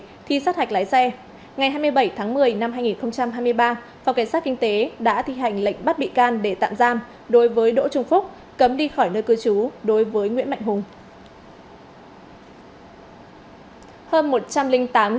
trong khi thi sát hạch lái xe ngày hai mươi bảy tháng một mươi năm hai nghìn hai mươi ba phòng cảnh sát kinh tế đã thi hành lệnh bắt bị can để tạm giam đối với đỗ trung phúc cấm đi khỏi nơi cư trú đối với nguyễn mạnh hùng